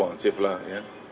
responsif lah ya